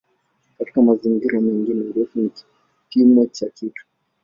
Katika mazingira mengine "urefu" ni kipimo cha kitu.